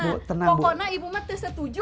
pokoknya ibu ma tetap setuju